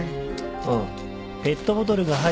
ああ。